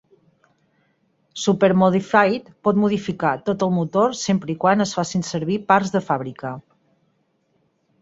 Super Modified pot modificar tot el motor sempre i quan es facin servir parts de fàbrica.